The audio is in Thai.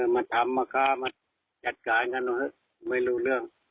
มาทำมาฆ่าหัวไม่รู้เรื่อง